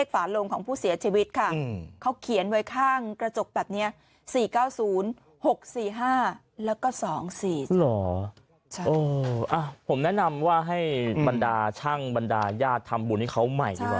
ผมแนะนำว่าให้บรรดาช่างบรรดาญาติทำบุญให้เขาใหม่ดีกว่า